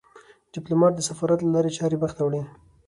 ډيپلومات د سفارت له لارې چارې مخ ته وړي.